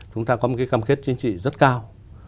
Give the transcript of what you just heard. chúng ta có một cái cam kết chính trị rất cao